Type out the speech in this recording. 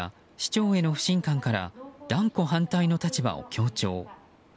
予算不足や市長への不信感から断固反対の立場を強調。